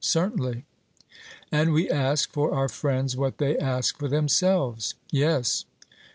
'Certainly.' And we ask for our friends what they ask for themselves. 'Yes.'